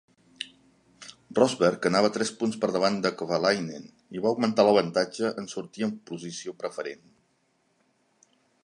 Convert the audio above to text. Rosberg anava tres punts per davant de Kovalainen i va augmentar l'avantatge en sortir en posició preferent.